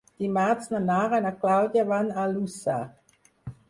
Dimarts na Nara i na Clàudia van a Lluçà.